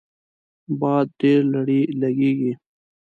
باد ډیر لږیږي